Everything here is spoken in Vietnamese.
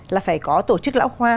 là phải có tổ chức lão khoa